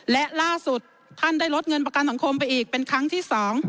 และล่าสุดท่านได้ลดเงินประกันสังคมไปอีกเป็นครั้งที่๒